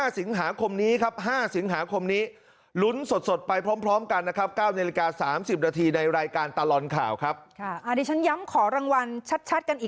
๕สิงหาคมนี้ครับ๕สิงหาคมนี้